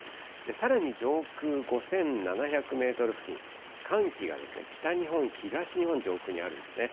さらに上空５７００メートル付近、寒気が北日本、東日本上空にあるんですね。